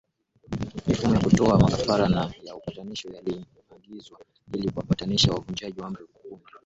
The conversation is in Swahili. Mifumo ya kutoa makafara na ya Upatanisho yaliagizwa ili kuwapatanisha wavunjaji wa Amri kumi